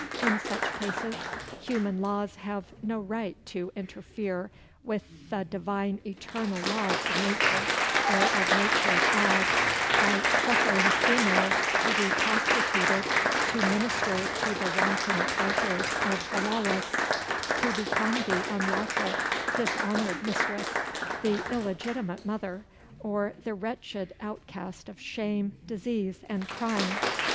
In such cases, human laws have no right to interfere with the divine eternal laws of nature, or of nature's God, by suffering females to be prostituted to minister to the wanton pleasures of the lawless, to become the unlawful, dishonoured mistress, the illegitimate mother, or the wretched outcast of shame, disease and crime.